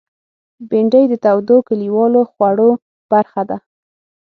بېنډۍ د تودو کلیوالو خوړو برخه ده